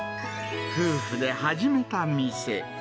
夫婦で始めた店。